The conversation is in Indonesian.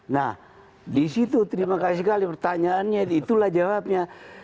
nah disitu terima kasih sekali pertanyaannya itulah jawabnya